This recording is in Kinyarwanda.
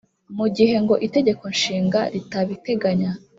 mu gihe ngo itegeko nshinga ritabiteganya